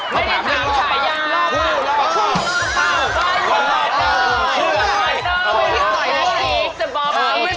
ไม่ได้ถามถ่ายย่าง